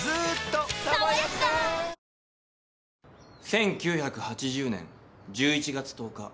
１９８０年１１月１０日。